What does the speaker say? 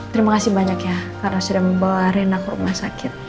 terima kasih banyak ya karena sudah membawa rena ke rumah sakit